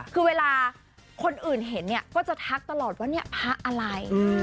คือเวลาคนอื่นเห็นเนี่ยก็จะทักตลอดว่าเนี่ยพระอะไร